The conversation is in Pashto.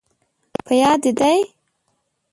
په یاد، دې دي؟